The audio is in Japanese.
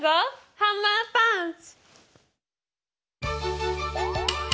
ハンマーパンチ！